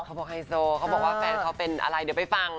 ไฮโซเขาบอกว่าแฟนเขาเป็นอะไรเดี๋ยวไปฟัง